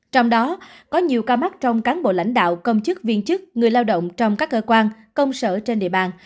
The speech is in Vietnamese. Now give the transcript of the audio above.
trong đó có nhiều ca mắc trong cán bộ lãnh đạo công chức viên chức người lao động trong các cơ quan công sở trên địa bàn